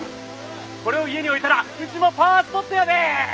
これを家に置いたらうちもパワースポットやで！